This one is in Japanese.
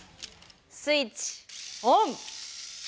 スイッチオン。